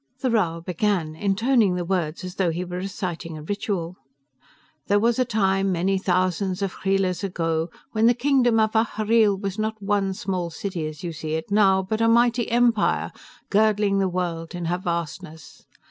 The Rhal began, intoning the words as though he were reciting a ritual, "There was a time, many thousands of Khreelas ago, when the kingdom of Ahhreel was not one small city, as you see it now, but a mighty empire, girdling the world in her vastness.